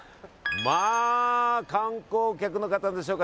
まあ観光客の方でしょうか？